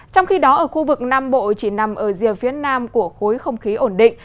trong khi đó ở khu vực nam bộ chỉ nằm ở rìa phía nam của khối không khí ổn định